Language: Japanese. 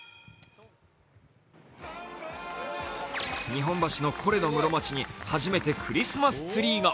日本橋のコレド室町に初めてクリスマスツリーが。